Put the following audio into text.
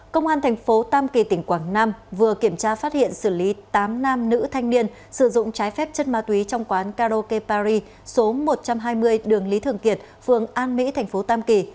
công an thành phố tam kỳ tỉnh quảng nam vừa kiểm tra phát hiện xử lý tám nam nữ thanh niên sử dụng trái phép chất ma túy trong quán karaoke paris số một trăm hai mươi đường lý thường kiệt phường an mỹ thành phố tam kỳ